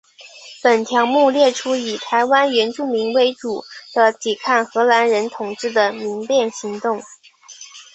本条目列出以台湾原住民为主的抵抗荷兰人统治的民变行动。